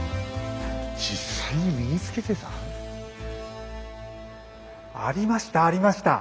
実際に身につけてた？ありましたありました。